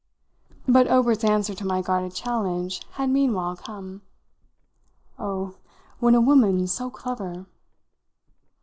But Obert's answer to my guarded challenge had meanwhile come. "Oh, when a woman's so clever